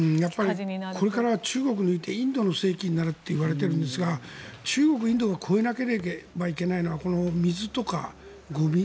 これからは中国を抜いてインドの世紀になるといわれていますが中国、インドが超えなければいけないのは水とかゴミ。